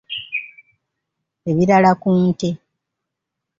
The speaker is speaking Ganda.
Ebirala ku nte.